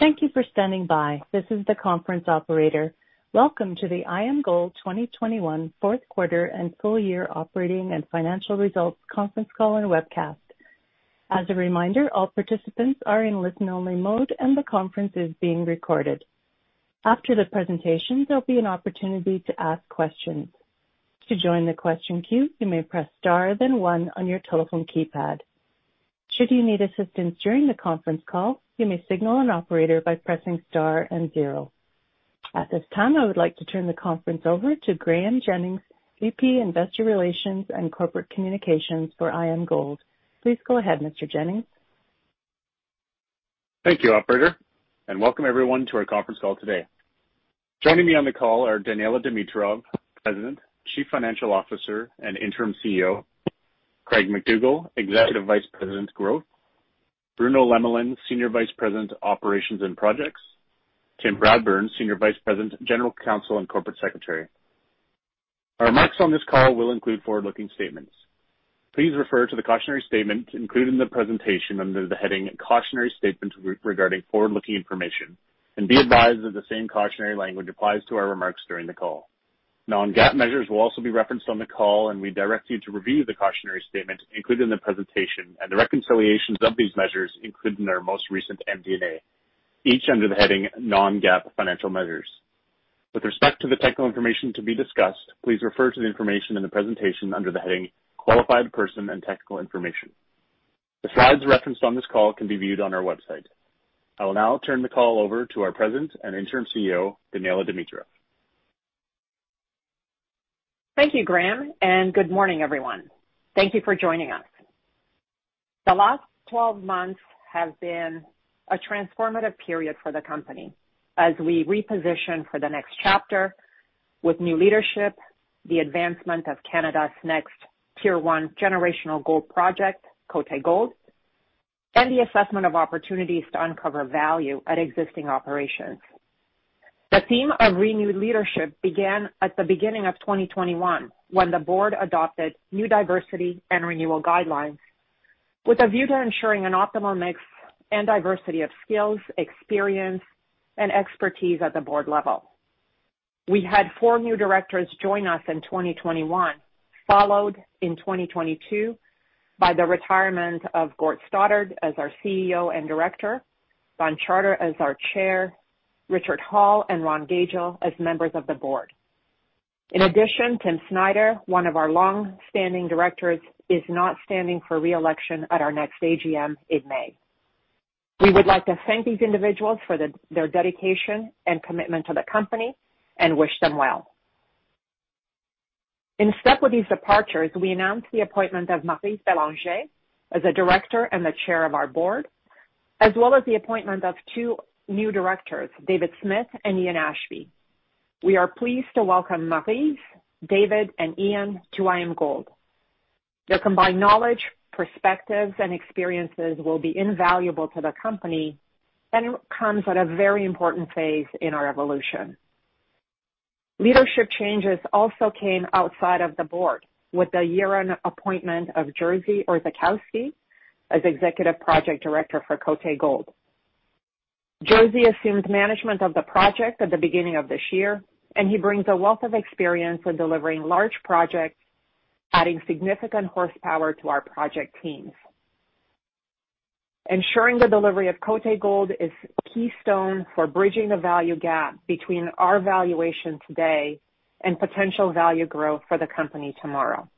Thank you for standing by. This is the conference operator. Welcome to the IAMGOLD 2021 fourth quarter and full year operating and financial results conference call and webcast. As a reminder, all participants are in listen-only mode, and the conference is being recorded. After the presentation, there'll be an opportunity to ask questions. To join the question queue, you may press star then one on your telephone keypad. Should you need assistance during the conference call, you may signal an operator by pressing star and zero. At this time, I would like to turn the conference over to Graeme Jennings, VP, Investor Relations and Corporate Communications for IAMGOLD. Please go ahead, Mr. Jennings. Thank you, operator, and welcome everyone to our conference call today. Joining me on the call are Daniella Dimitrov, President, Chief Financial Officer, and Interim CEO, Craig MacDougall, Executive Vice President, Growth, Bruno Lemelin, Senior Vice President, Operations and Projects, Tim Bradburn, Senior Vice President, General Counsel, and Corporate Secretary. Our remarks on this call will include forward-looking statements. Please refer to the cautionary statement included in the presentation under the heading Cautionary Statement regarding Forward-Looking Information and be advised that the same cautionary language applies to our remarks during the call. non-GAAP measures will also be referenced on the call, and we direct you to review the cautionary statement included in the presentation and the reconciliations of these measures included in our most recent MD&A, each under the heading non-GAAP Financial Measures. With respect to the technical information to be discussed, please refer to the information in the presentation under the heading Qualified Person and Technical Information. The slides referenced on this call can be viewed on our website. I will now turn the call over to our President and Interim CEO, Daniella Dimitrov. Thank you, Graeme, and good morning, everyone. Thank you for joining us. The last 12 months have been a transformative period for the company as we reposition for the next chapter with new leadership, the advancement of Canada's next tier one generational gold project, Côté Gold, and the assessment of opportunities to uncover value at existing operations. The theme of renewed leadership began at the beginning of 2021 when the board adopted new diversity and renewal guidelines with a view to ensuring an optimal mix and diversity of skills, experience, and expertise at the board level. We had 4 new directors join us in 2021, followed in 2022 by the retirement of Gordon Stothart as our CEO and director, Don Charter as our Chair, Richard Hall and Ron Gagel as members of the board. In addition, Tim Snider, one of our long-standing directors, is not standing for re-election at our next AGM in May. We would like to thank these individuals for their dedication and commitment to the company and wish them well. In step with these departures, we announced the appointment of Maryse Bélanger as a director and the chair of our board, as well as the appointment of two new directors, David Smith and Ian Ashby. We are pleased to welcome Maryse, David, and Ian to IAMGOLD. Their combined knowledge, perspectives, and experiences will be invaluable to the company and comes at a very important phase in our evolution. Leadership changes also came outside of the board with the year-end appointment of Jerzy Orzechowski as Executive Project Director for Côté Gold. Jerzy assumes management of the project at the beginning of this year, and he brings a wealth of experience in delivering large projects, adding significant horsepower to our project teams. Ensuring the delivery of Côté Gold is a keystone for bridging the value gap between our valuation today and potential value growth for the company tomorrow.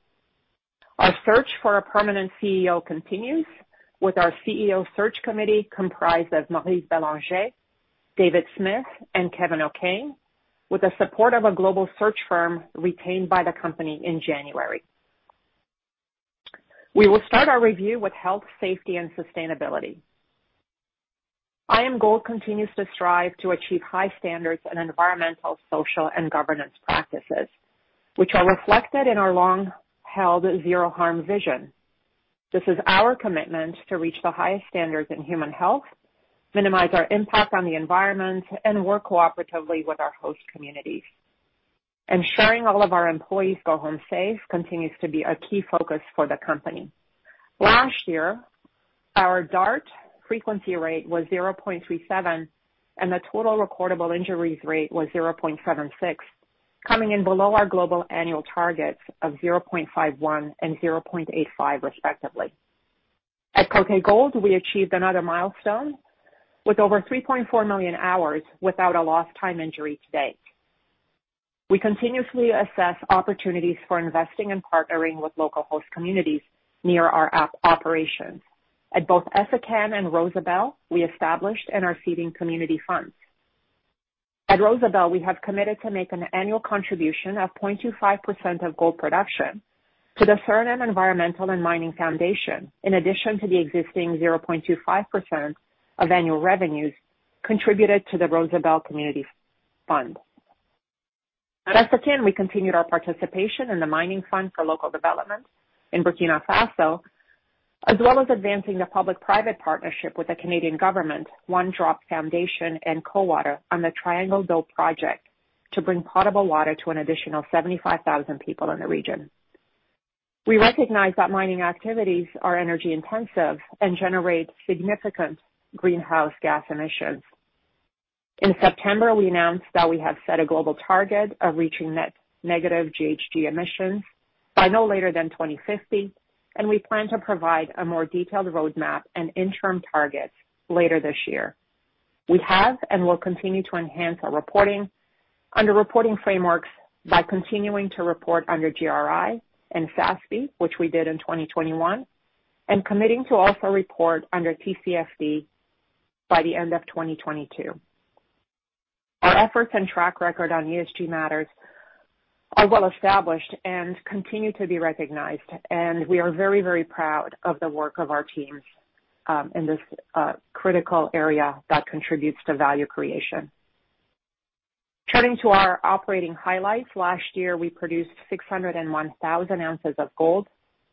Our search for a permanent CEO continues with our CEO search committee comprised of Maryse Bélanger, David Smith, and Kevin O'Kane, with the support of a global search firm retained by the company in January. We will start our review with health, safety, and sustainability. IAMGOLD continues to strive to achieve high standards in environmental, social, and governance practices, which are reflected in our long-held zero harm vision. This is our commitment to reach the highest standards in human health, minimize our impact on the environment, and work cooperatively with our host communities. Ensuring all of our employees go home safe continues to be a key focus for the company. Last year, our DART frequency rate was 0.37, and the total recordable injuries rate was 0.76, coming in below our global annual targets of 0.51 and 0.85, respectively. At Côté Gold, we achieved another milestone with over 3.4 million hours without a lost time injury to date. We continuously assess opportunities for investing and partnering with local host communities near our operations. At both Essakane and Rosebel, we established and are seeding community funds. At Rosebel, we have committed to make an annual contribution of 0.25% of gold production to the Suriname Environmental and Mining Foundation, in addition to the existing 0.25% of annual revenues contributed to the Rosebel Community Fund. At Essakane, we continued our participation in the Mining Fund for local development in Burkina Faso, as well as advancing the public-private partnership with the Canadian government, One Drop Foundation, and Cowater on the Triangle d'Eau project to bring potable water to an additional 75,000 people in the region. We recognize that mining activities are energy intensive and generate significant greenhouse gas emissions. In September, we announced that we have set a global target of reaching net negative GHG emissions by no later than 2050, and we plan to provide a more detailed roadmap and interim targets later this year. We have and will continue to enhance our reporting under reporting frameworks by continuing to report under GRI and SASB, which we did in 2021, and committing to also report under TCFD by the end of 2022. Our efforts and track record on ESG matters are well established and continue to be recognized, and we are very, very proud of the work of our teams in this critical area that contributes to value creation. Turning to our operating highlights. Last year, we produced 601,000 ounces of gold,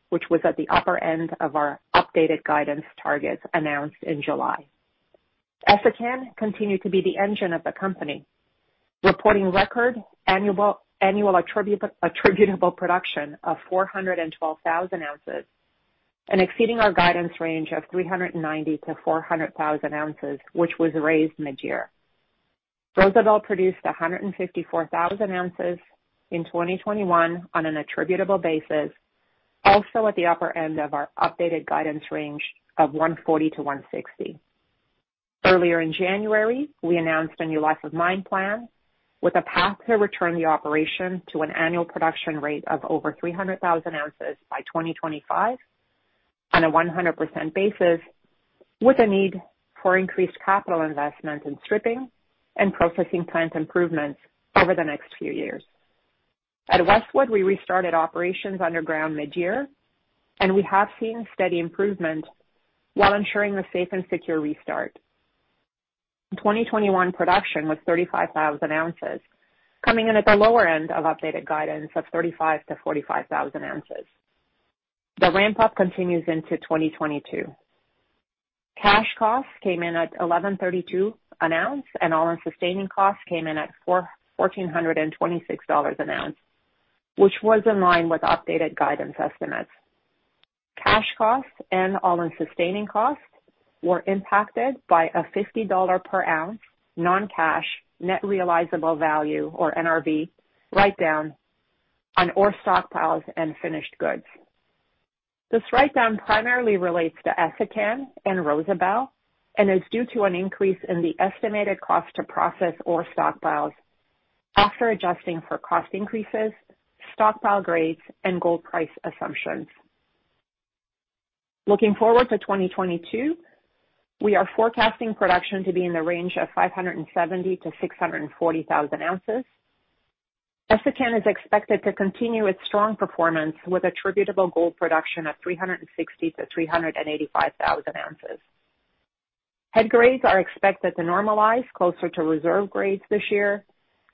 which was at the upper end of our updated guidance targets announced in July. Essakane continued to be the engine of the company, reporting record annual attributable production of 412,000 ounces and exceeding our guidance range of 390,000-400,000 ounces, which was raised mid-year. Rosebel produced 154,000 ounces in 2021 on an attributable basis, also at the upper end of our updated guidance range of 140,000-160,000 ounces. Earlier in January, we announced a new life of mine plan with a path to return the operation to an annual production rate of over 300,000 ounces by 2025 on a 100% basis, with a need for increased capital investment in stripping and processing plant improvements over the next few years. At Westwood, we restarted operations underground mid-year, and we have seen steady improvement while ensuring the safe and secure restart. 2021 production was 35,000 ounces, coming in at the lower end of updated guidance of 35,000-45,000 ounces. The ramp-up continues into 2022. Cash costs came in at $1,132 an ounce, and all-in sustaining costs came in at $1,426 an ounce, which was in line with updated guidance estimates. Cash costs and all-in sustaining costs were impacted by a $50 per ounce non-cash net realizable value or NRV write-down on ore stockpiles and finished goods. This write-down primarily relates to Essakane and Rosebel and is due to an increase in the estimated cost to process ore stockpiles after adjusting for cost increases, stockpile grades, and gold price assumptions. Looking forward to 2022, we are forecasting production to be in the range of 570,000-640,000 ounces. Essakane is expected to continue its strong performance with attributable gold production of 360,000-385,000 ounces. Head grades are expected to normalize closer to reserve grades this year,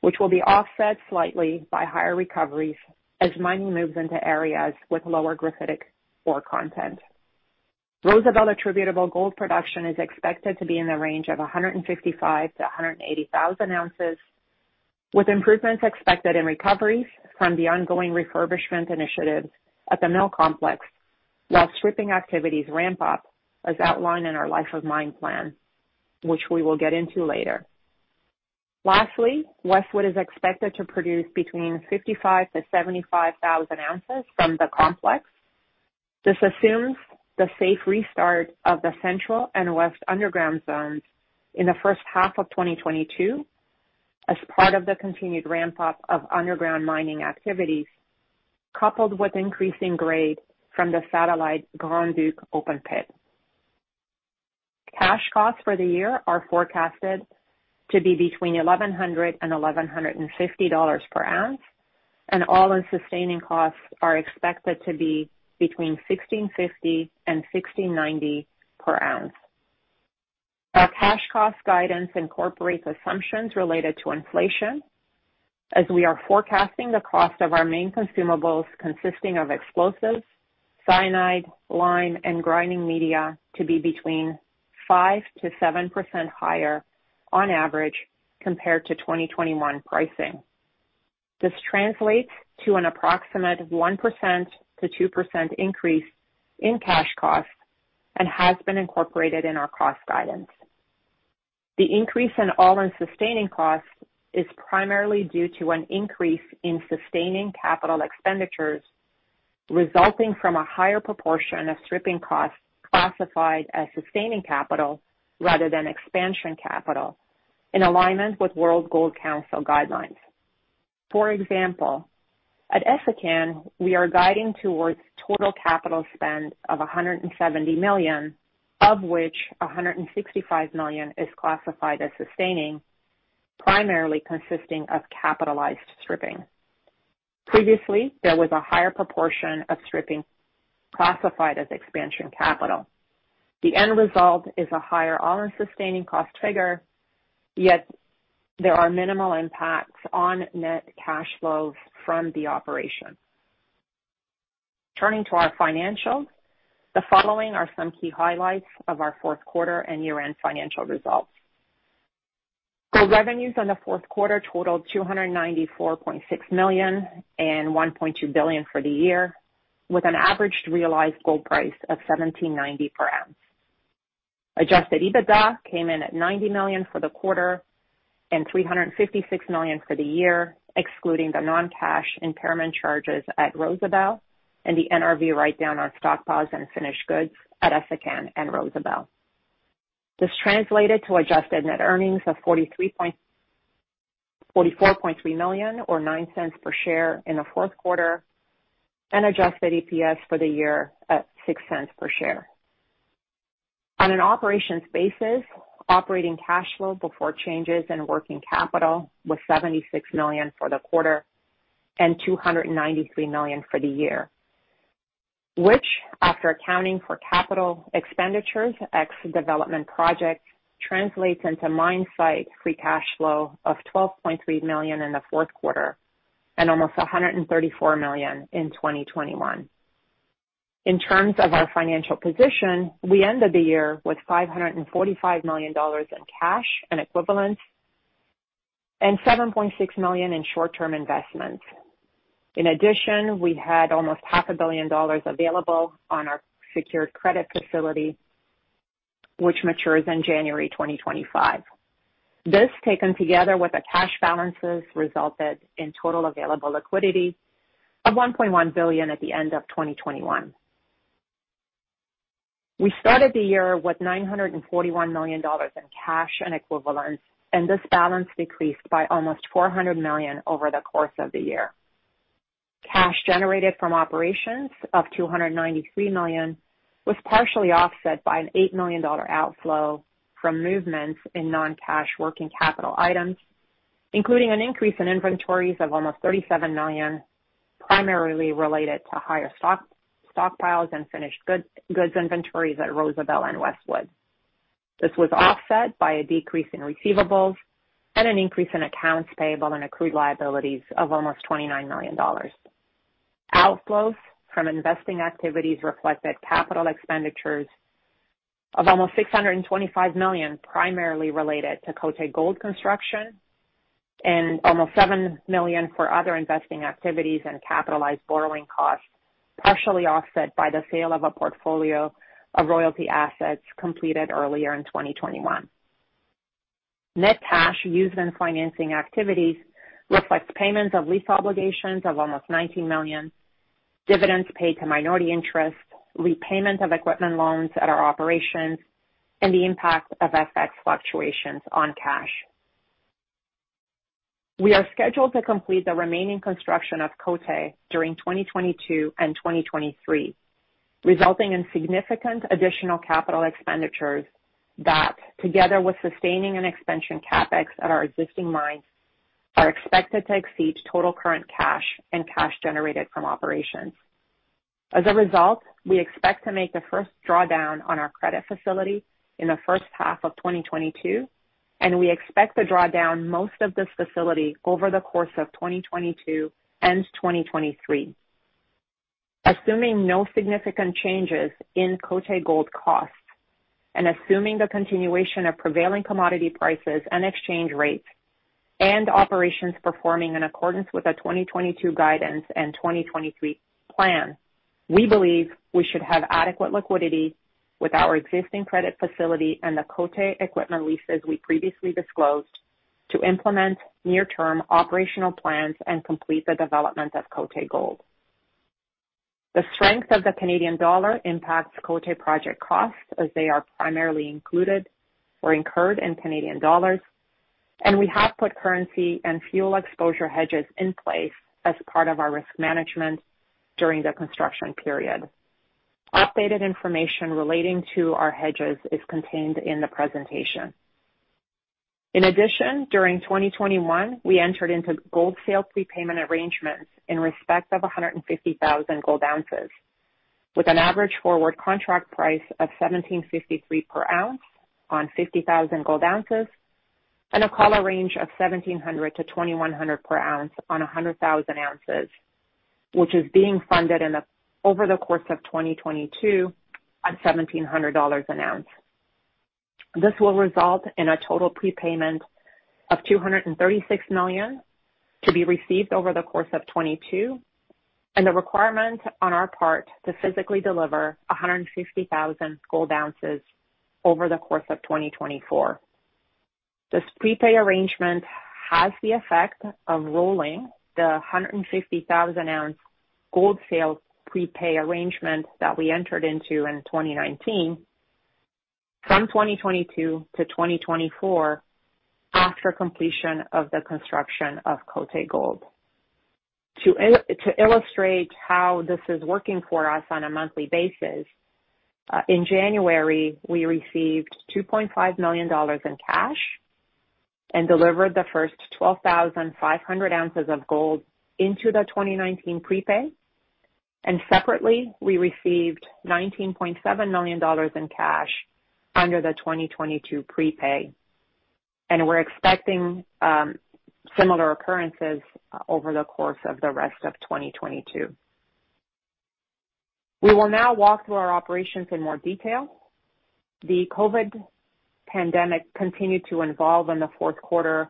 which will be offset slightly by higher recoveries as mining moves into areas with lower graphite ore content. Rosebel attributable gold production is expected to be in the range of 155,000-180,000 ounces, with improvements expected in recoveries from the ongoing refurbishment initiatives at the mill complex, while stripping activities ramp up as outlined in our life of mine plan, which we will get into later. Westwood is expected to produce between 55,000-75,000 ounces from the complex. This assumes the safe restart of the central and west underground zones in the first half of 2022 as part of the continued ramp-up of underground mining activities, coupled with increasing grade from the satellite Grand Duc open pit. Cash costs for the year are forecasted to be between $1,100-$1,150 per ounce, and all-in sustaining costs are expected to be between $1,650-$1,690 per ounce. Our cash cost guidance incorporates assumptions related to inflation, as we are forecasting the cost of our main consumables, consisting of explosives, cyanide, lime, and grinding media, to be between 5%-7% higher on average compared to 2021 pricing. This translates to an approximate 1%-2% increase in cash costs and has been incorporated in our cost guidance. The increase in all-in sustaining costs is primarily due to an increase in sustaining capital expenditures resulting from a higher proportion of stripping costs classified as sustaining capital rather than expansion capital in alignment with World Gold Council guidelines. For example, at Essakane, we are guiding towards total capital spend of $170 million, of which $165 million is classified as sustaining, primarily consisting of capitalized stripping. Previously, there was a higher proportion of stripping classified as expansion capital. The end result is a higher all-in sustaining cost figure, yet there are minimal impacts on net cash flows from the operation. Turning to our financials, the following are some key highlights of our fourth quarter and year-end financial results. Gold revenues in the fourth quarter totaled $294.6 million and $1.2 billion for the year, with an average realized gold price of $1,790 per ounce. Adjusted EBITDA came in at $90 million for the quarter and $356 million for the year, excluding the non-cash impairment charges at Rosebel and the NRV write-down on stockpiles and finished goods at Essakane and Rosebel. This translated to adjusted net earnings of $44.3 million, or $0.09 per share in the fourth quarter, and adjusted EPS for the year at $0.06 per share. On an operations basis, operating cash flow before changes in working capital was $76 million for the quarter and $293 million for the year, which, after accounting for capital expenditures, ex development projects, translates into mine site free cash flow of $12.3 million in the fourth quarter and almost $134 million in 2021. In terms of our financial position, we ended the year with $545 million in cash and equivalents and $7.6 million in short-term investments. In addition, we had almost half a billion dollars available on our secured credit facility, which matures in January 2025. This, taken together with the cash balances, resulted in total available liquidity of $1.1 billion at the end of 2021. We started the year with $941 million in cash and equivalents, and this balance decreased by almost $400 million over the course of the year. Cash generated from operations of $293 million was partially offset by an $8 million outflow from movements in non-cash working capital items, including an increase in inventories of almost $37 million, primarily related to higher stockpiles and finished goods inventories at Rosebel and Westwood. This was offset by a decrease in receivables and an increase in accounts payable and accrued liabilities of almost $29 million. Outflows from investing activities reflected capital expenditures of almost $625 million, primarily related to Côté Gold construction and almost $7 million for other investing activities and capitalized borrowing costs, partially offset by the sale of a portfolio of royalty assets completed earlier in 2021. Net cash used in financing activities reflects payments of lease obligations of almost $19 million, dividends paid to minority interests, repayment of equipment loans at our operations, and the impact of FX fluctuations on cash. We are scheduled to complete the remaining construction of Côté during 2022 and 2023, resulting in significant additional capital expenditures that, together with sustaining and expansion CapEx at our existing mines, are expected to exceed total current cash and cash generated from operations. We expect to make the first drawdown on our credit facility in the first half of 2022, and we expect to draw down most of this facility over the course of 2022 and 2023. Assuming no significant changes in Côté Gold costs and assuming the continuation of prevailing commodity prices and exchange rates and operations performing in accordance with the 2022 guidance and 2023 plan, we believe we should have adequate liquidity with our existing credit facility and the Côté equipment leases we previously disclosed to implement near-term operational plans and complete the development of Côté Gold. The strength of the Canadian dollar impacts Côté project costs as they are primarily included or incurred in Canadian dollars. We have put currency and fuel exposure hedges in place as part of our risk management during the construction period. Updated information relating to our hedges is contained in the presentation. In addition, during 2021, we entered into gold sale prepayment arrangements in respect of 150,000 gold ounces, with an average forward contract price of $1,753 per ounce on 50,000 gold ounces and a collar range of $1,700-$2,100 per ounce on 100,000 ounces, which is being funded over the course of 2022 at $1,700 an ounce. This will result in a total prepayment of $236 million to be received over the course of 2022, and the requirement on our part to physically deliver 150,000 gold ounces over the course of 2024. This prepay arrangement has the effect of rolling the 150,000-ounce gold sales prepay arrangement that we entered into in 2019 from 2022 to 2024 after completion of the construction of Côté Gold. To illustrate how this is working for us on a monthly basis, in January, we received $2.5 million in cash and delivered the first 12,500 ounces of gold into the 2019 prepay. Separately, we received $19.7 million in cash under the 2022 prepay. We're expecting similar occurrences over the course of the rest of 2022. We will now walk through our operations in more detail. The COVID pandemic continued to evolve in the fourth quarter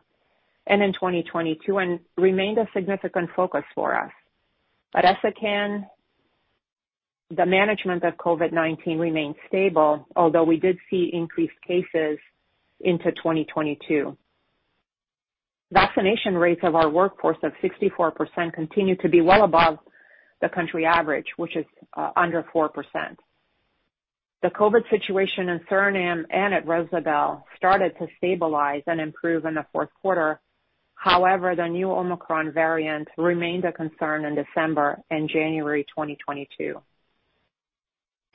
and in 2022, and remained a significant focus for us. At Essakane, the management of COVID-19 remained stable, although we did see increased cases into 2022. Vaccination rates of our workforce of 64% continued to be well above the country average, which is under 4%. The COVID situation in Suriname and at Rosebel started to stabilize and improve in the fourth quarter. However, the new Omicron variant remained a concern in December and January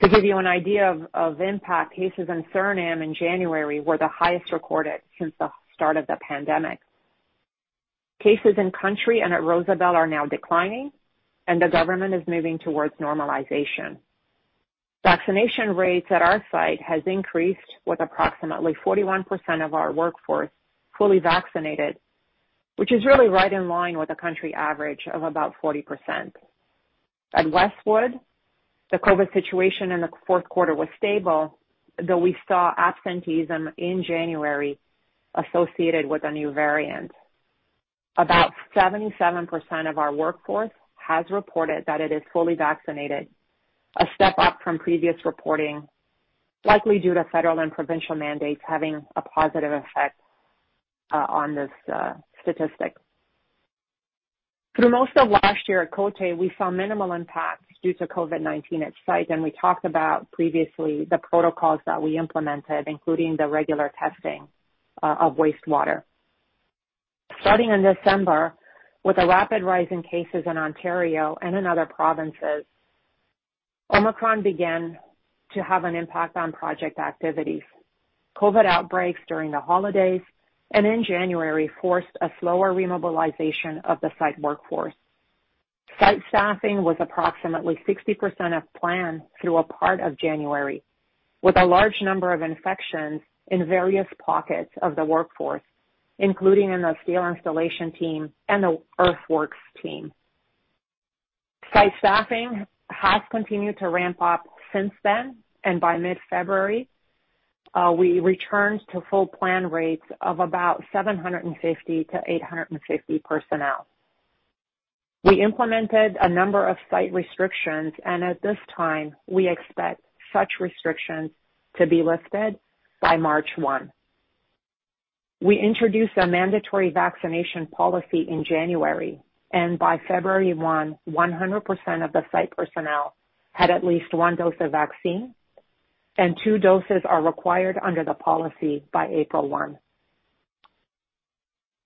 2022. To give you an idea of impact, cases in Suriname in January were the highest recorded since the start of the pandemic. Cases in country and at Rosebel are now declining, and the government is moving towards normalization. Vaccination rates at our site has increased with approximately 41% of our workforce fully vaccinated, which is really right in line with the country average of about 40%. At Westwood, the COVID-19 situation in the fourth quarter was stable, though we saw absenteeism in January associated with a new variant. About 77% of our workforce has reported that it is fully vaccinated, a step up from previous reporting, likely due to federal and provincial mandates having a positive effect, on this, statistic. Through most of last year at Côté, we saw minimal impacts due to COVID-19 at site, and we talked about previously the protocols that we implemented, including the regular testing, of wastewater. Starting in December, with a rapid rise in cases in Ontario and in other provinces, Omicron began to have an impact on project activities. COVID outbreaks during the holidays and in January forced a slower remobilization of the site workforce. Site staffing was approximately 60% of plan through a part of January, with a large number of infections in various pockets of the workforce, including in the steel installation team and the earthworks team. Site staffing has continued to ramp up since then, and by mid-February, we returned to full plan rates of about 750-850 personnel. We implemented a number of site restrictions, and at this time, we expect such restrictions to be lifted by March 1. We introduced a mandatory vaccination policy in January, and by February 1, 100% of the site personnel had at least one dose of vaccine, and two doses are required under the policy by April 1.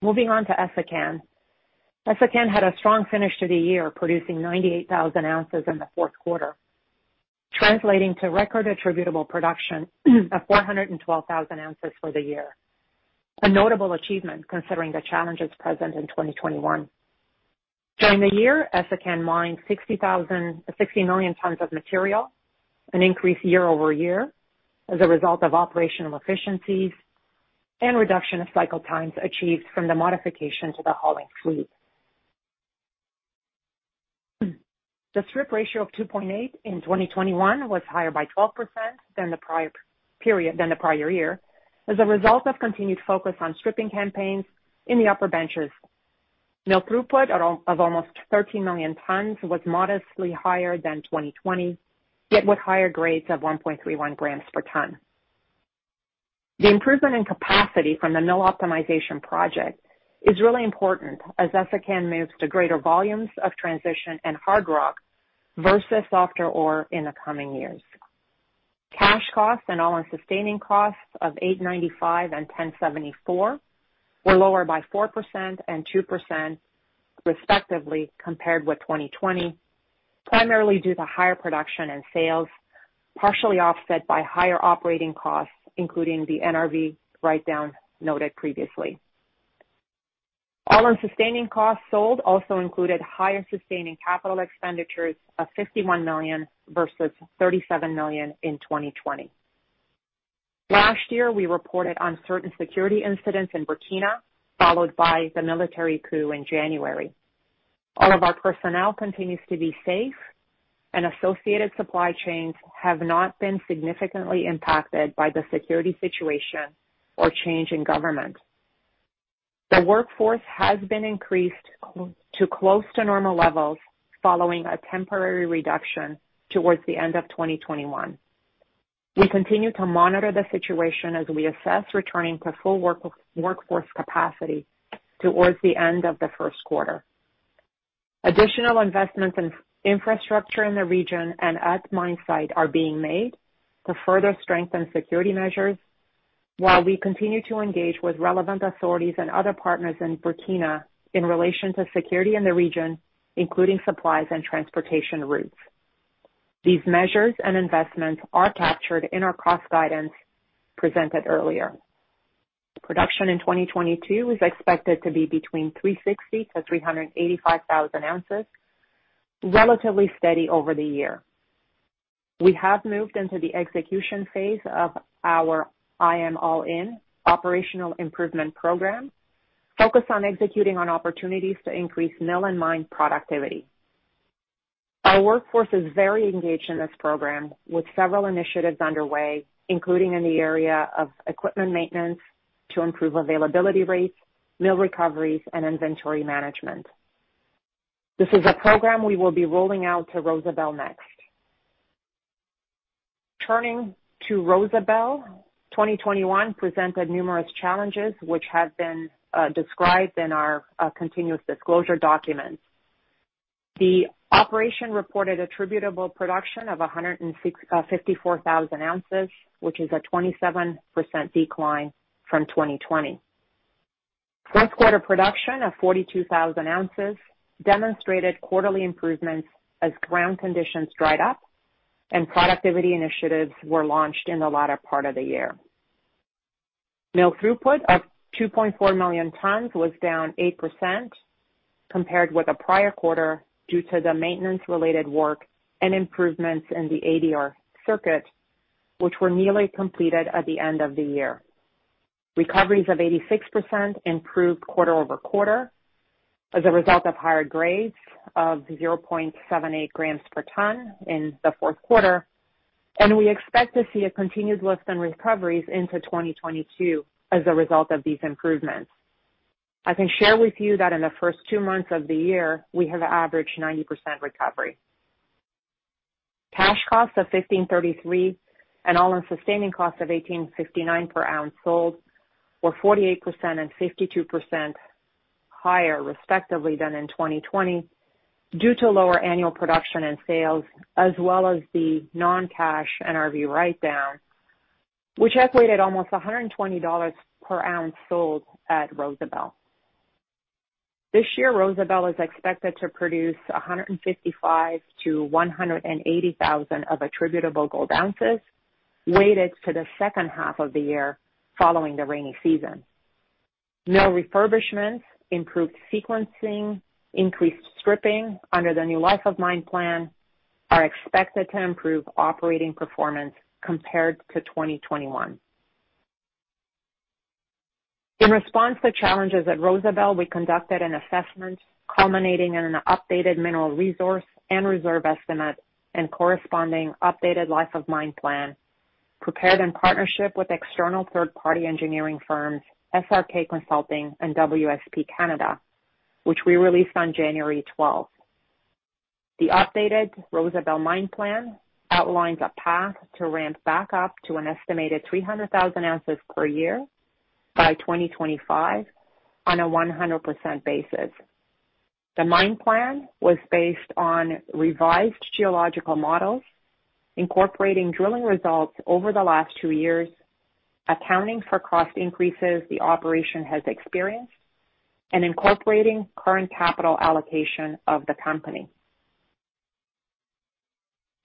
Moving on to Essakane. Essakane had a strong finish to the year, producing 98,000 ounces in the fourth quarter, translating to record attributable production of 412,000 ounces for the year. A notable achievement, considering the challenges present in 2021. During the year, Essakane mined 60 million tons of material, an increase year over-year as a result of operational efficiencies and reduction of cycle times achieved from the modification to the hauling fleet. The strip ratio of 2.8 in 2021 was higher by 12% than the prior year, as a result of continued focus on stripping campaigns in the upper benches. Mill throughput of almost 13 million tons was modestly higher than 2020, yet with higher grades of 1.31 grams per ton. The improvement in capacity from the mill optimization project is really important as Essakane moves to greater volumes of transition and hard rock versus softer ore in the coming years. Cash costs and all-in sustaining costs of $895 and $1,074 were lower by 4% and 2%, respectively, compared with 2020, primarily due to higher production and sales, partially offset by higher operating costs, including the NRV writedown noted previously. All-in sustaining costs sold also included higher sustaining capital expenditures of $51 million versus $37 million in 2020. Last year, we reported on certain security incidents in Burkina, followed by the military coup in January. All of our personnel continues to be safe, and associated supply chains have not been significantly impacted by the security situation or change in government. The workforce has been increased to close to normal levels following a temporary reduction towards the end of 2021. We continue to monitor the situation as we assess returning to full workforce capacity towards the end of the first quarter. Additional investments in infrastructure in the region and at mine site are being made to further strengthen security measures while we continue to engage with relevant authorities and other partners in Burkina in relation to security in the region, including supplies and transportation routes. These measures and investments are captured in our cost guidance presented earlier. Production in 2022 is expected to be between 360,000-385,000 ounces, relatively steady over the year. We have moved into the execution phase of our IAM All In operational improvement program, focused on executing on opportunities to increase mill and mine productivity. Our workforce is very engaged in this program, with several initiatives underway, including in the area of equipment maintenance to improve availability rates, mill recoveries, and inventory management. This is a program we will be rolling out to Rosebel next. Turning to Rosebel, 2021 presented numerous challenges which have been described in our continuous disclosure documents. The operation reported attributable production of 165,000 ounces, which is a 27% decline from 2020. Fourth quarter production of 42,000 ounces demonstrated quarterly improvements as ground conditions dried up and productivity initiatives were launched in the latter part of the year. Mill throughput of 2.4 million tons was down 8% compared with the prior quarter due to the maintenance-related work and improvements in the ADR circuit, which were nearly completed at the end of the year. Recoveries of 86% improved quarter-over-quarter as a result of higher grades of 0.78 grams per ton in the fourth quarter, and we expect to see a continued lift in recoveries into 2022 as a result of these improvements. I can share with you that in the first two months of the year, we have averaged 90% recovery. Cash costs of $1,533 and all-in sustaining costs of $1,859 per ounce sold were 48% and 52% higher, respectively, than in 2020 due to lower annual production and sales as well as the non-cash NRV write-down, which equated almost $120 per ounce sold at Rosebel. This year, Rosebel is expected to produce 155,000-180,000 attributable gold ounces, weighted to the second half of the year following the rainy season. Mill refurbishments, improved sequencing, increased stripping under the new life of mine plan are expected to improve operating performance compared to 2021. In response to challenges at Rosebel, we conducted an assessment culminating in an updated mineral resource and reserve estimate and corresponding updated life of mine plan prepared in partnership with external third-party engineering firms SRK Consulting and WSP Canada, which we released on January 12. The updated Rosebel mine plan outlines a path to ramp back up to an estimated 300,000 ounces per year by 2025 on a 100% basis. The mine plan was based on revised geological models incorporating drilling results over the last two years, accounting for cost increases the operation has experienced, and incorporating current capital allocation of the company.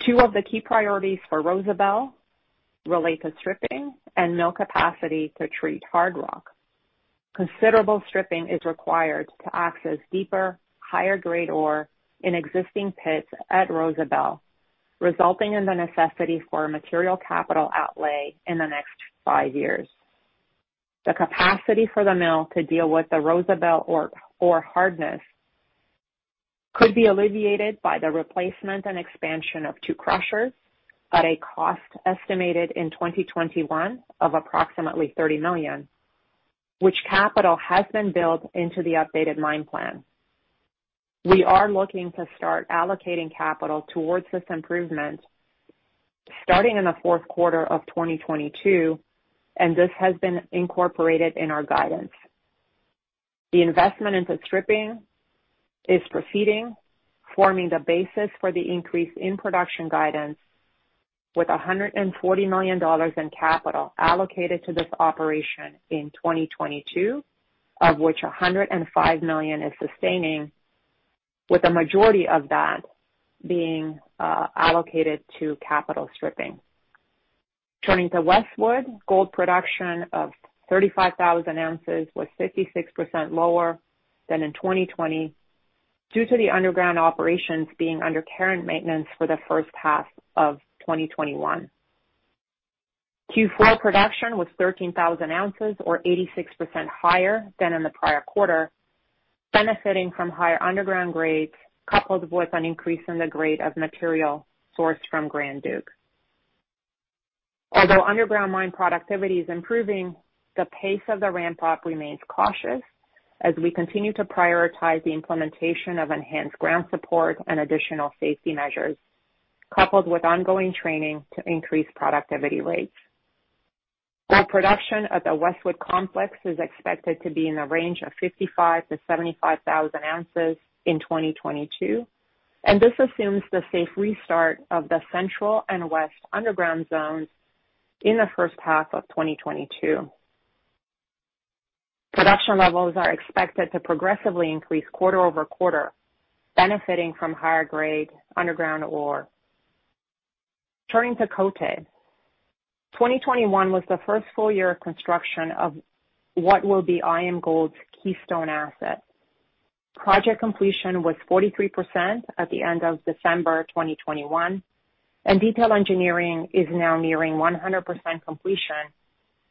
Two of the key priorities for Rosebel relate to stripping and mill capacity to treat hard rock. Considerable stripping is required to access deeper, higher-grade ore in existing pits at Rosebel, resulting in the necessity for material capital outlay in the next five years. The capacity for the mill to deal with the Rosebel ore hardness could be alleviated by the replacement and expansion of two crushers at a cost estimated in 2021 of approximately $30 million, which capital has been built into the updated mine plan. We are looking to start allocating capital towards this improvement starting in the fourth quarter of 2022, and this has been incorporated in our guidance. The investment into stripping is proceeding, forming the basis for the increase in production guidance, with $140 million in capital allocated to this operation in 2022, of which $105 million is sustaining, with the majority of that being allocated to capital stripping. Turning to Westwood, gold production of 35,000 ounces was 56% lower than in 2020 due to the underground operations being under care and maintenance for the first half of 2021. Q4 production was 13,000 ounces or 86% higher than in the prior quarter, benefiting from higher underground grades coupled with an increase in the grade of material sourced from Grand Duc. Although underground mine productivity is improving, the pace of the ramp up remains cautious as we continue to prioritize the implementation of enhanced ground support and additional safety measures, coupled with ongoing training to increase productivity rates. Our production at the Westwood complex is expected to be in the range of 55,000-75,000 ounces in 2022, and this assumes the safe restart of the central and west underground zones in the first half of 2022. Production levels are expected to progressively increase quarter-over-quarter, benefiting from higher grade underground ore. Turning to Côté, 2021 was the first full year of construction of what will be IAMGOLD's keystone asset. Project completion was 43% at the end of December 2021, and detailed engineering is now nearing 100% completion,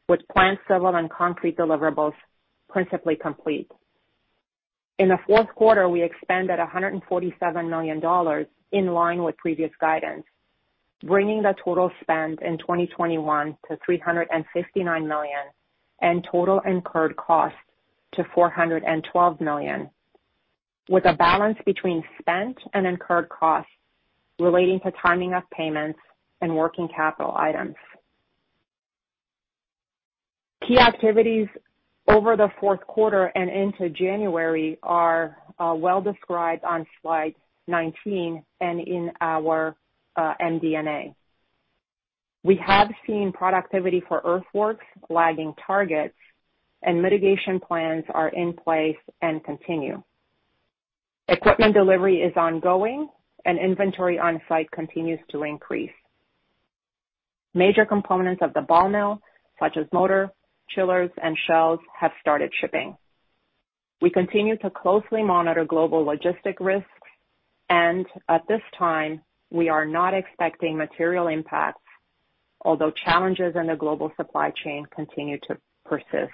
with plant, civil, and concrete deliverables principally complete. In the fourth quarter, we expended $147 million in line with previous guidance, bringing the total spend in 2021 to $359 million and total incurred costs to $412 million, with a balance between spent and incurred costs relating to timing of payments and working capital items. Key activities over the fourth quarter and into January are well described on slide 19 and in our MD&A. We have seen productivity for earthworks lagging targets and mitigation plans are in place and continue. Equipment delivery is ongoing and inventory on site continues to increase. Major components of the ball mill, such as motor, chillers, and shells, have started shipping. We continue to closely monitor global logistics risks and at this time we are not expecting material impacts, although challenges in the global supply chain continue to persist.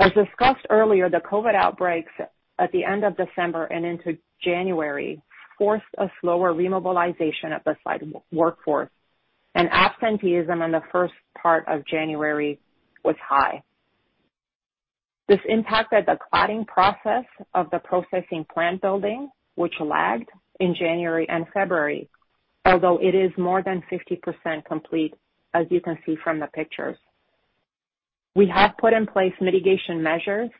As discussed earlier, the COVID outbreaks at the end of December and into January forced a slower remobilization of the site workforce, and absenteeism in the first part of January was high. This impacted the cladding process of the processing plant building, which lagged in January and February, although it is more than 50% complete, as you can see from the pictures. We have put in place mitigation measures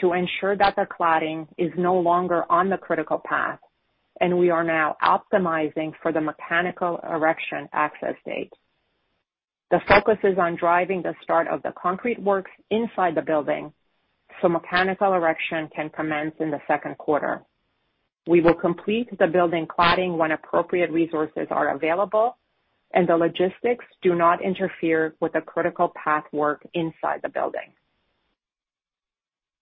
to ensure that the cladding is no longer on the critical path, and we are now optimizing for the mechanical erection access date. The focus is on driving the start of the concrete works inside the building so mechanical erection can commence in the second quarter. We will complete the building cladding when appropriate resources are available and the logistics do not interfere with the critical path work inside the building.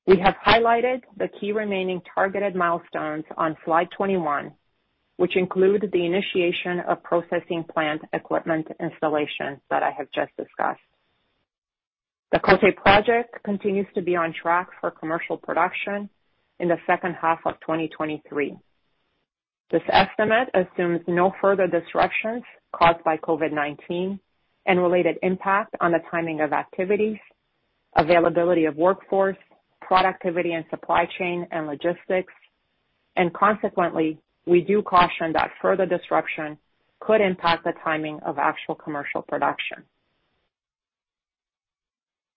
We have highlighted the key remaining targeted milestones on slide 21, which include the initiation of processing plant equipment installation that I have just discussed. The Côté Gold project continues to be on track for commercial production in the second half of 2023. This estimate assumes no further disruptions caused by COVID-19 and related impact on the timing of activities, availability of workforce, productivity and supply chain and logistics. Consequently, we do caution that further disruption could impact the timing of actual commercial production.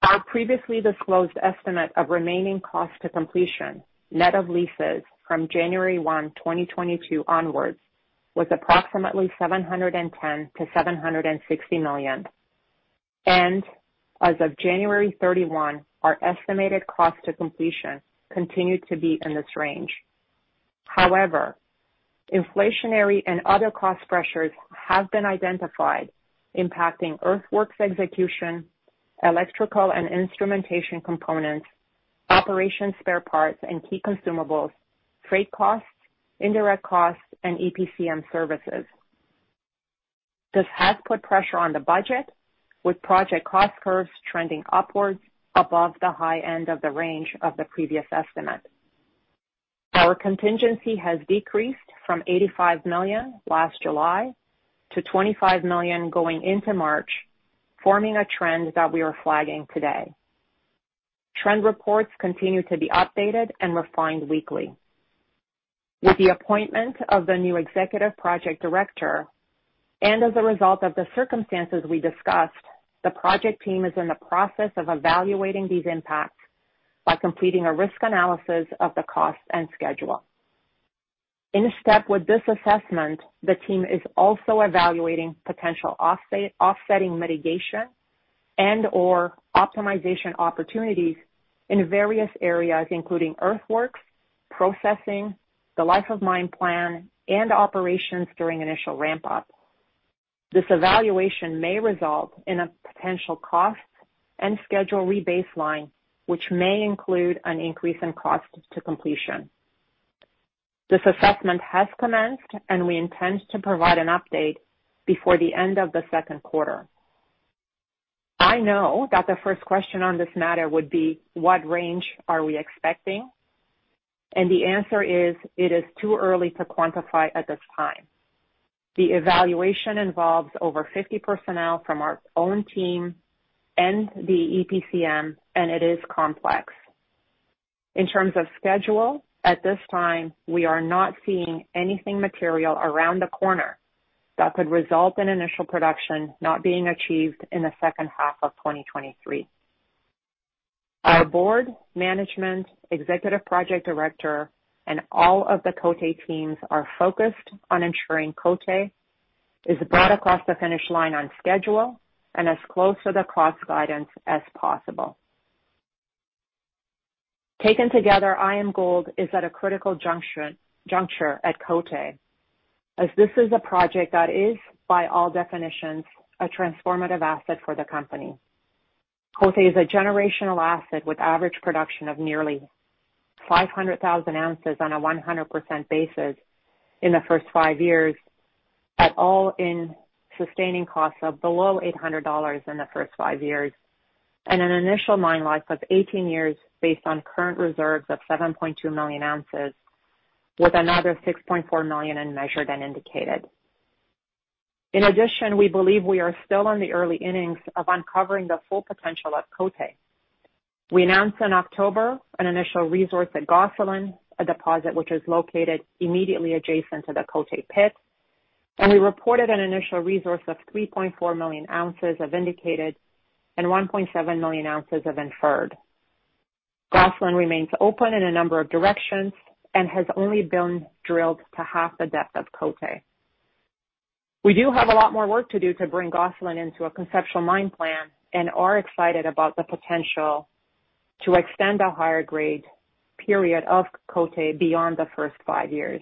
Our previously disclosed estimate of remaining cost to completion, net of leases from January 1, 2022 onwards was approximately $710 million-$760 million. As of January 31, our estimated cost to completion continued to be in this range. However, inflationary and other cost pressures have been identified impacting earthworks execution, electrical and instrumentation components, operation spare parts and key consumables, freight costs, indirect costs and EPCM services. This has put pressure on the budget, with project cost curves trending upwards above the high end of the range of the previous estimate. Our contingency has decreased from $85 million last July to $25 million going into March, forming a trend that we are flagging today. Trend reports continue to be updated and refined weekly. With the appointment of the new Executive Project Director and as a result of the circumstances we discussed, the project team is in the process of evaluating these impacts by completing a risk analysis of the cost and schedule. In step with this assessment, the team is also evaluating potential offsetting mitigation and/or optimization opportunities in various areas including earthworks, processing, the life of mine plan, and operations during initial ramp up. This evaluation may result in a potential cost and schedule rebaseline, which may include an increase in cost to completion. This assessment has commenced and we intend to provide an update before the end of the second quarter. I know that the first question on this matter would be what range are we expecting? The answer is it is too early to quantify at this time. The evaluation involves over 50 personnel from our own team and the EPCM, and it is complex. In terms of schedule, at this time we are not seeing anything material around the corner that could result in initial production not being achieved in the second half of 2023. Our Board, management, Executive Project Director and all of the Côté teams are focused on ensuring Côté is brought across the finish line on schedule and as close to the cost guidance as possible. Taken together, IAMGOLD is at a critical juncture at Côté. As this is a project that is, by all definitions, a transformative asset for the company. Côté is a generational asset with average production of nearly 500,000 ounces on a 100% basis in the first five years, at all-in sustaining costs of below $800 in the first five years, and an initial mine life of 18 years based on current reserves of 7.2 million ounces, with another 6.4 million in measured and indicated. In addition, we believe we are still in the early innings of uncovering the full potential at Côté. We announced in October an initial resource at Gosselin, a deposit which is located immediately adjacent to the Côté pit, and we reported an initial resource of 3.4 million ounces of indicated and 1.7 million ounces of inferred. Gosselin remains open in a number of directions and has only been drilled to half the depth of Côté. We do have a lot more work to do to bring Gosselin into a conceptual mine plan and are excited about the potential to extend the higher grade period of Côté beyond the first five years.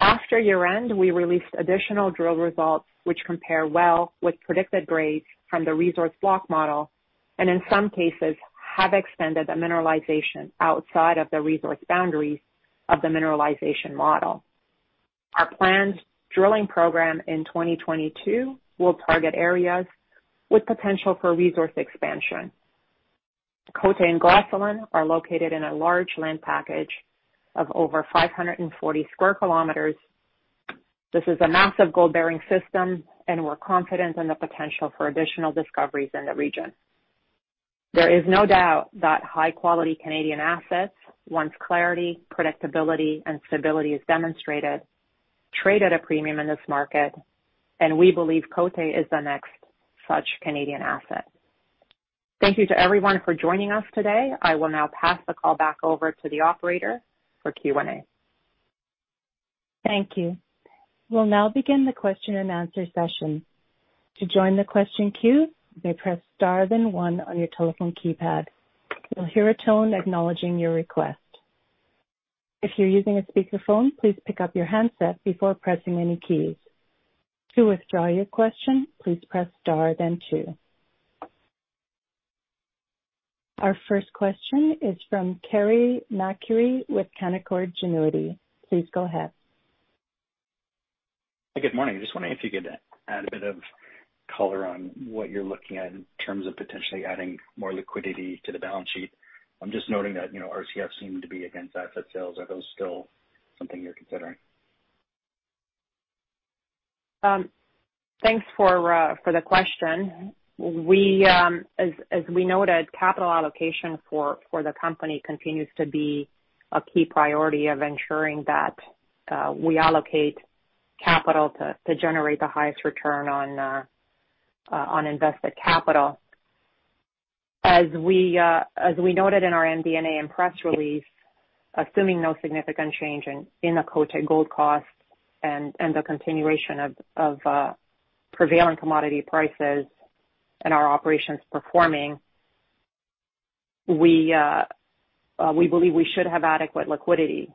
After year-end, we released additional drill results, which compare well with predicted grades from the resource block model, and in some cases have extended the mineralization outside of the resource boundaries of the mineralization model. Our planned drilling program in 2022 will target areas with potential for resource expansion. Côté and Gosselin are located in a large land package of over 540 sq km. This is a massive gold-bearing system, and we're confident in the potential for additional discoveries in the region. There is no doubt that high-quality Canadian assets, once clarity, predictability, and stability is demonstrated, trade at a premium in this market, and we believe Côté is the next such Canadian asset. Thank you to everyone for joining us today. I will now pass the call back over to the operator for Q&A. Thank you. We'll now begin the question-and-answer session. To join the question queue, you may press star then one on your telephone keypad. You'll hear a tone acknowledging your request. If you're using a speakerphone, please pick up your handset before pressing any keys. To withdraw your question, please press star then two. Our first question is from Carey MacRury with Canaccord Genuity. Please go ahead. Good morning. Just wondering if you could add a bit of color on what you're looking at in terms of potentially adding more liquidity to the balance sheet. I'm just noting that, you know, RCF seemed to be against asset sales. Are those still something you're considering? Thanks for the question. We, as we noted, capital allocation for the company continues to be a key priority of ensuring that we allocate capital to generate the highest return on invested capital. As we noted in our MD&A and press release, assuming no significant change in the Côté Gold cost and the continuation of prevailing commodity prices and our operations performing, we believe we should have adequate liquidity.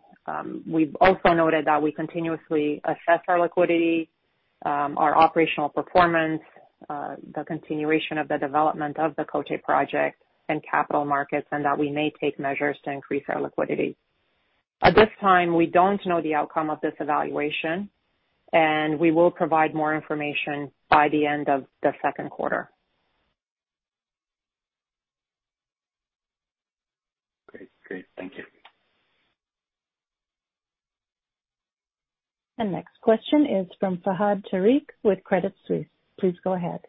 We've also noted that we continuously assess our liquidity, our operational performance, the continuation of the development of the Côté project and capital markets, and that we may take measures to increase our liquidity. At this time, we don't know the outcome of this evaluation, and we will provide more information by the end of the second quarter. Great. Thank you. Next question is from Fahad Tariq with Credit Suisse. Please go ahead.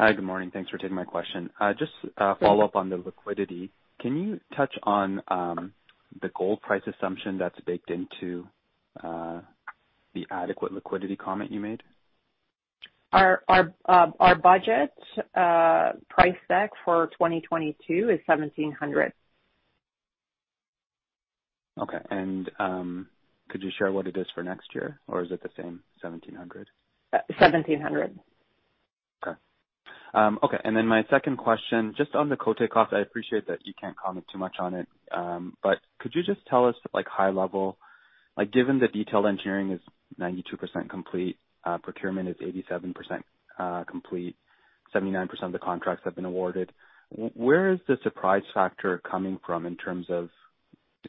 Hi. Good morning. Thanks for taking my question. Just a follow-up on the liquidity. Can you touch on the gold price assumption that's baked into the adequate liquidity comment you made? Our budget price deck for 2022 is $1,700. Okay. Could you share what it is for next year? Or is it the same 1700? 1,700. My second question, just on the Côté cost, I appreciate that you can't comment too much on it, but could you just tell us, like, high level, like, given the detailed engineering is 92% complete, procurement is 87% complete, 79% of the contracts have been awarded, where is the surprise factor coming from in terms of,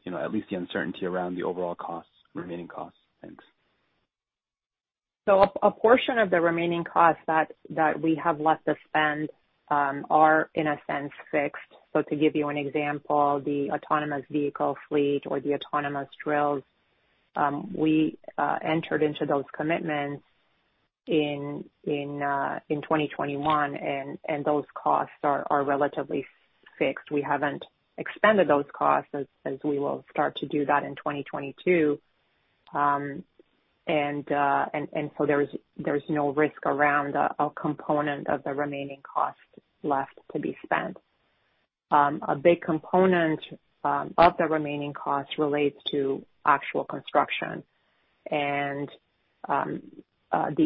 you know, at least the uncertainty around the overall costs, remaining costs? Thanks. A portion of the remaining costs that we have left to spend are in a sense fixed. To give you an example, the autonomous vehicle fleet or the autonomous drills, we entered into those commitments in 2021, and those costs are relatively fixed. We haven't expended those costs as we will start to do that in 2022. There is no risk around a component of the remaining cost left to be spent. A big component of the remaining cost relates to actual construction. The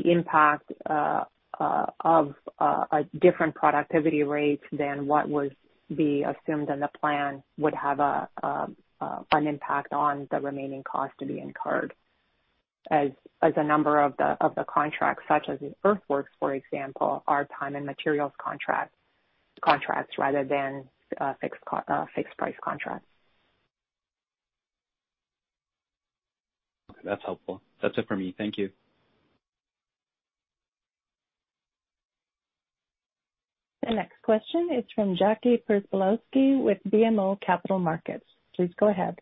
impact of a different productivity rates than what was assumed in the plan would have an impact on the remaining costs to be incurred as a number of the contracts, such as the earthworks, for example, are time and materials contracts rather than fixed price contracts. Okay. That's helpful. That's it for me. Thank you. The next question is from Jackie Przybylowski with BMO Capital Markets. Please go ahead.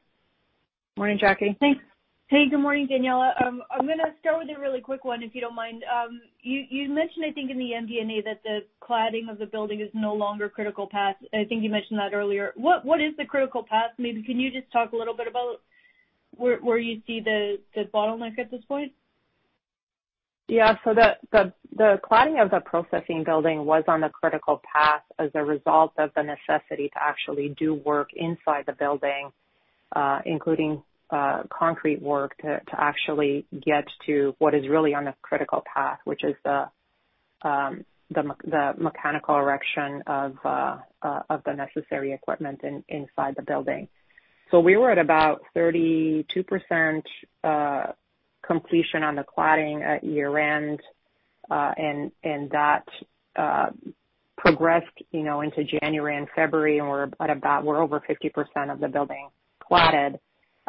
Morning, Jackie. Thanks. Hey, good morning, Daniella. I'm gonna start with a really quick one, if you don't mind. You mentioned, I think in the MD&A that the cladding of the building is no longer critical path. I think you mentioned that earlier. What is the critical path? Maybe can you just talk a little bit about where you see the bottleneck at this point? Yeah. The cladding of the processing building was on the critical path as a result of the necessity to actually do work inside the building, including concrete work to actually get to what is really on the critical path, which is the mechanical erection of the necessary equipment inside the building. We were at about 32% completion on the cladding at year-end, and that progressed, you know, into January and February, and we're at about, we're over 50% of the building cladded.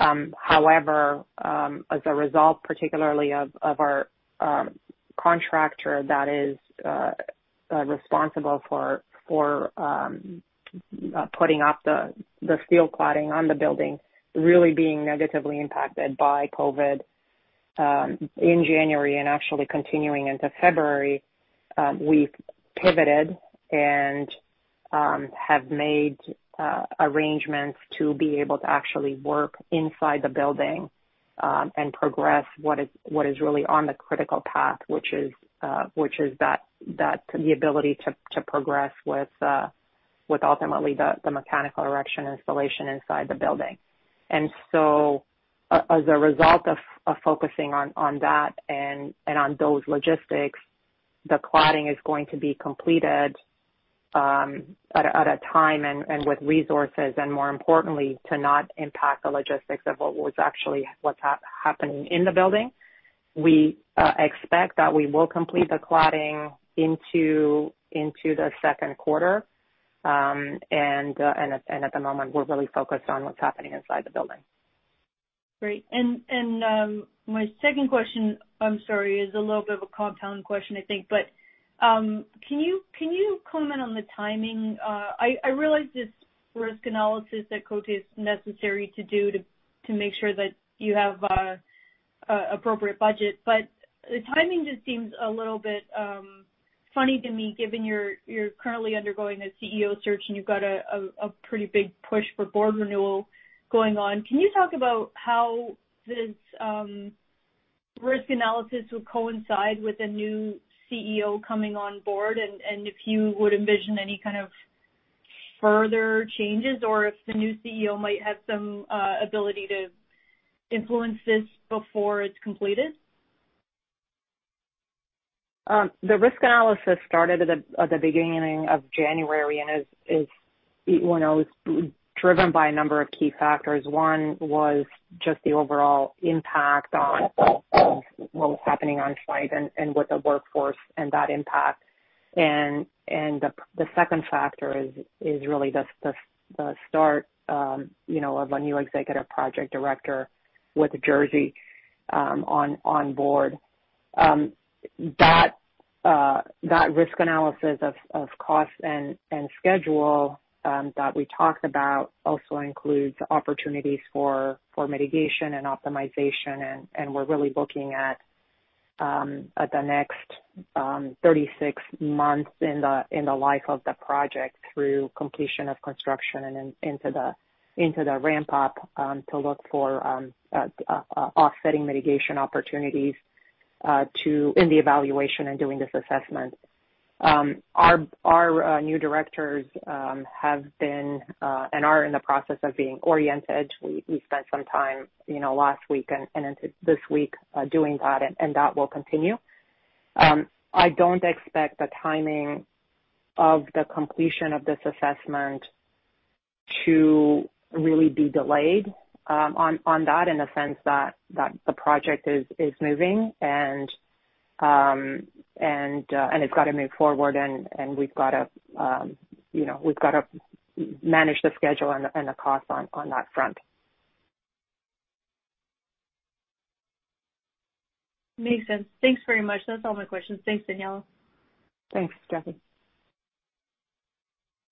However, as a result, particularly of our contractor that is responsible for putting up the steel cladding on the building, really being negatively impacted by COVID in January and actually continuing into February, we've pivoted and have made arrangements to be able to actually work inside the building and progress what is really on the critical path, which is that the ability to progress with ultimately the mechanical erection installation inside the building. As a result of focusing on that and on those logistics, the cladding is going to be completed at a time and with resources, and more importantly, to not impact the logistics of what's actually happening in the building. We expect that we will complete the cladding into the second quarter. At the moment, we're really focused on what's happening inside the building. Great. My second question, I'm sorry, is a little bit of a compound question, I think. Can you comment on the timing? I realize this risk analysis at Côté is necessary to do to make sure that you have appropriate budget, but the timing just seems a little bit funny to me given you're currently undergoing a CEO search and you've got a pretty big push for board renewal going on. Can you talk about how this risk analysis will coincide with a new CEO coming on board and if you would envision any kind of further changes or if the new CEO might have some ability to influence this before it's completed? The risk analysis started at the beginning of January and is driven by a number of key factors. One was just the overall impact on what was happening on site and with the workforce and that impact. The second factor is really the start, you know, of a new Executive Project Director with Jerzy on board. That risk analysis of cost and schedule that we talked about also includes opportunities for mitigation and optimization. We're really looking at the next 36 months in the life of the project through completion of construction and into the ramp-up to look for offsetting mitigation opportunities to in the evaluation and doing this assessment. Our new directors have been and are in the process of being oriented. We spent some time, you know, last week and into this week doing that and that will continue. I don't expect the timing of the completion of this assessment to really be delayed on that in the sense that the project is moving and it's got to move forward and we've got to you know manage the schedule and the cost on that front. Makes sense. Thanks very much. That's all my questions. Thanks, Daniella. Thanks, Jackie.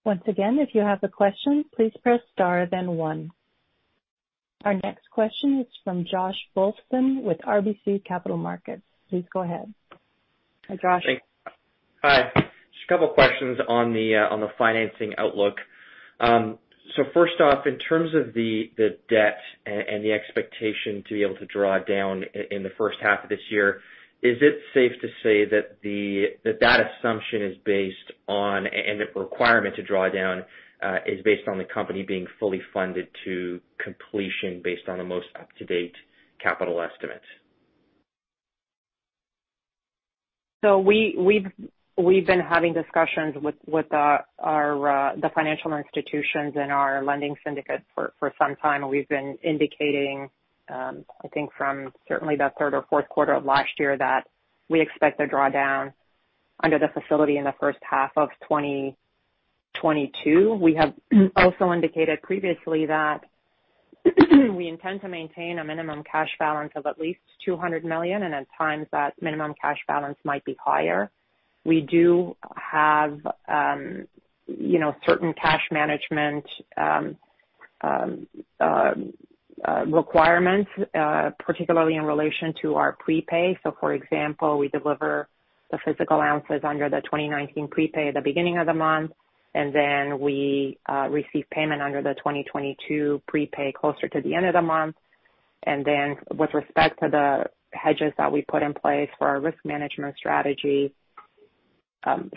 Once again, if you have a question, please press star then one. Our next question is from Josh Wolfson with RBC Capital Markets. Please go ahead. Hi, Josh. Thanks. Hi. Just a couple questions on the financing outlook. So first off, in terms of the debt and the expectation to be able to draw down in the first half of this year, is it safe to say that that assumption is based on and the requirement to draw down is based on the company being fully funded to completion based on the most up-to-date capital estimates? We've been having discussions with the financial institutions and our lending syndicates for some time. We've been indicating, I think from certainly the third or fourth quarter of last year, that we expect a drawdown under the facility in the first half of 2022. We have also indicated previously that we intend to maintain a minimum cash balance of at least $200 million, and at times that minimum cash balance might be higher. We do have, you know, certain cash management requirements, particularly in relation to our prepay. For example, we deliver the physical ounces under the 2019 prepay at the beginning of the month, and then we receive payment under the 2022 prepay closer to the end of the month. With respect to the hedges that we put in place for our risk management strategy,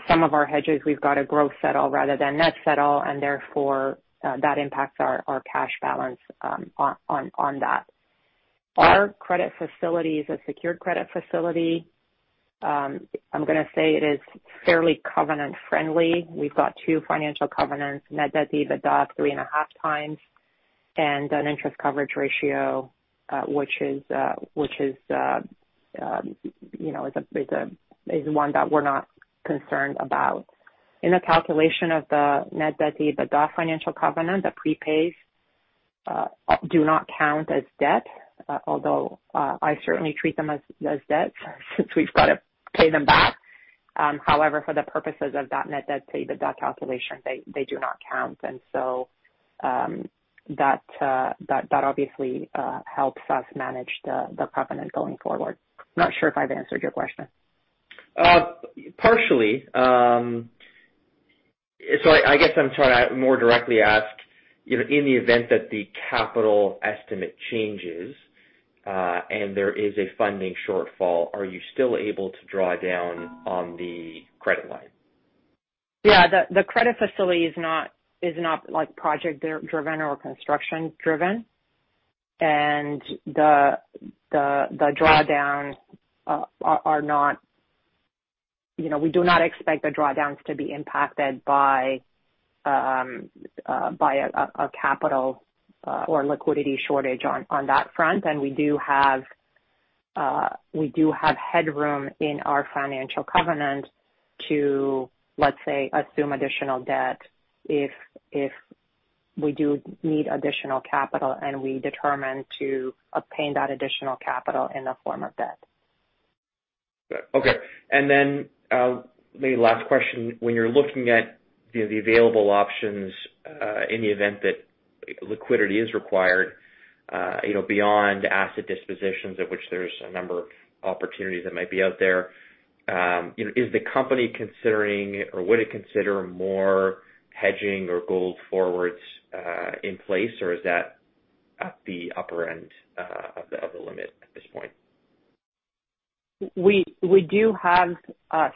some of our hedges, we've got a gross settle rather than net settle and therefore, that impacts our cash balance on that. Our credit facility is a secured credit facility. I'm gonna say it is fairly covenant friendly. We've got two financial covenants, net debt to EBITDA 3.5x, and an interest coverage ratio, which is one that we're not concerned about. In the calculation of the net debt to EBITDA financial covenant, the prepays do not count as debt, although I certainly treat them as debt since we've got to pay them back. However, for the purposes of that net debt to EBITDA calculation, they do not count. That obviously helps us manage the covenant going forward. Not sure if I've answered your question. Partially. I guess I'm trying to more directly ask, you know, in the event that the capital estimate changes, and there is a funding shortfall, are you still able to draw down on the credit line? Yeah. The credit facility is not like project-driven or construction driven. You know, we do not expect the drawdowns to be impacted by a capital or liquidity shortage on that front. We do have headroom in our financial covenant to, let's say, assume additional debt if we do need additional capital and we determine to obtain that additional capital in the form of debt. Okay. Maybe last question. When you're looking at the available options, in the event that liquidity is required, you know, beyond asset dispositions of which there's a number of opportunities that might be out there, you know, is the company considering or would it consider more hedging or gold forwards in place or is that at the upper end of the limit at this point? We do have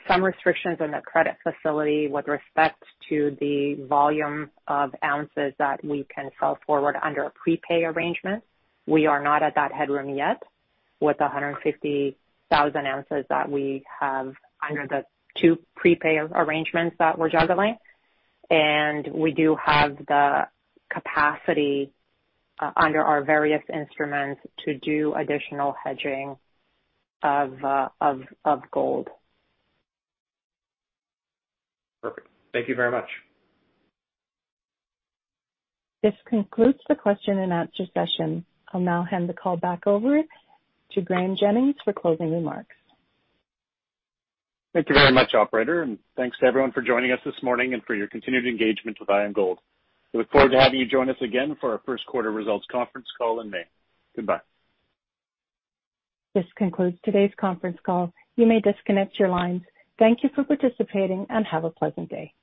some restrictions on the credit facility with respect to the volume of ounces that we can sell forward under a prepay arrangement. We are not at that headroom yet with the 150,000 ounces that we have under the two prepay arrangements that we're juggling. We do have the capacity under our various instruments to do additional hedging of gold. Perfect. Thank you very much. This concludes the question and answer session. I'll now hand the call back over to Graeme Jennings for closing remarks. Thank you very much, operator, and thanks to everyone for joining us this morning and for your continued engagement with IAMGOLD. We look forward to having you join us again for our first quarter results conference call in May. Goodbye. This concludes today's conference call. You may disconnect your lines. Thank you for participating and have a pleasant day.